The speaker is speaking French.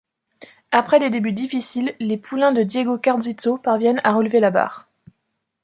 Après des débuts difficiles, les poulains de Diego Garzitto parviennent à relever la barre.